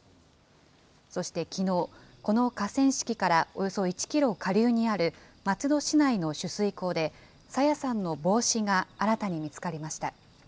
そしてきのう、この河川敷からおよそ１キロ下流にある松戸市内の取水口で、朝芽さんの帽子が新たに見つかりました。